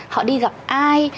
họ đi gặp ai